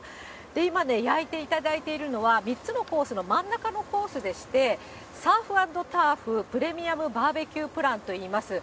今ね、焼いていただいているのは、３つのコースの真ん中のコースでして、サーフアンドターフプレミアムバーベキュープランといいます。